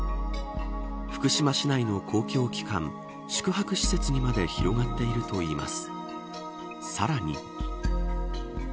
福島市内の公共機関宿泊施設にまで広がっているといいます。